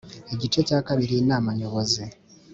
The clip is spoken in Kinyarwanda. igice cya kabiri inama nyobozi